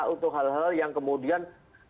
untuk hal hal yang kemudian